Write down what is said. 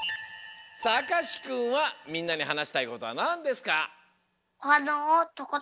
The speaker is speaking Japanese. さああかしくんはみんなにはなしたいことはなんですか？